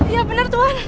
iya benar tuhan